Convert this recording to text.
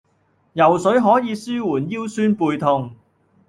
游水可以舒緩腰酸背痛